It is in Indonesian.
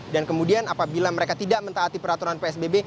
dan kemudian apabila mereka tidak mentaati peraturan psbb